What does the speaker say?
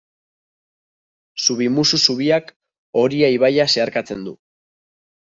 Zubimusu zubiak Oria ibaia zeharkatzen du.